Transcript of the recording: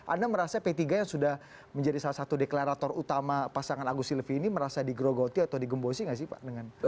anda merasa p tiga yang sudah menjadi salah satu deklarator utama pasangan agus silvi ini merasa digrogoti atau digembosi gak sih pak